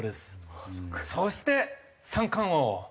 そして三冠王。